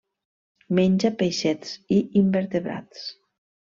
Menja peixets i invertebrats.